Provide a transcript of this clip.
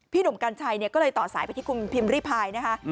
พี่หนุ่มกันใช้เนี่ยก็เลยต่อสายไปที่คุณพิมพ์รีพายนะคะ